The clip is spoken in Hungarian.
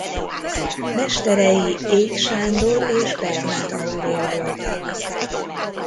Mesterei Ék Sándor és Bernáth Aurél voltak.